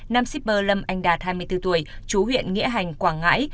nam shipper lâm anh đạt hai mươi bốn tuổi chú huyện nghĩa hành quảng ngãi